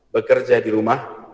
bekerja di rumah